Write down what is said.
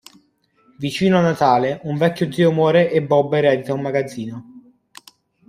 Vicino a Natale, un vecchio zio muore e Bob eredita un magazzino.